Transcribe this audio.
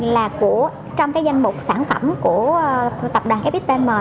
là trong cái danh mục sản phẩm của tập đoàn fittm